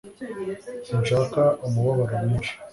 Sinshaka umubabaro mwinshi